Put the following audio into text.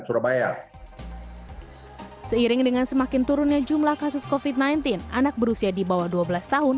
surabaya seiring dengan semakin turunnya jumlah kasus covid sembilan belas anak berusia di bawah dua belas tahun